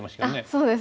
そうです。